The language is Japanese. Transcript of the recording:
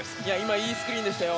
いいスクリーンでしたよ。